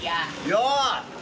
よう。